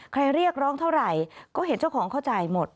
เรียกร้องเท่าไหร่ก็เห็นเจ้าของเขาจ่ายหมด